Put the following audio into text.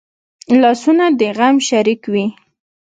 لاسونه د غم شریک وي